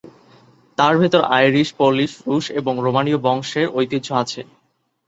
তাঁর ভেতর Irish, Polish, রুশ, এবং রোমানীয় বংশের ঐতিহ্য আছে।